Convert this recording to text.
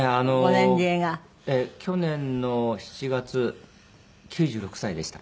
去年の７月９６歳でした。